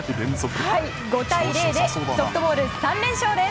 ５対０でソフトボール３連勝です。